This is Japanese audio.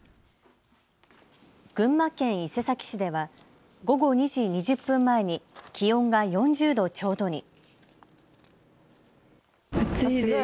群馬県伊勢崎市では午後２時２０分前に気温が４０度ちょうどに。